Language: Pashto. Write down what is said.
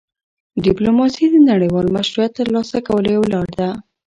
ډيپلوماسي د نړیوال مشروعیت ترلاسه کولو یوه لار ده.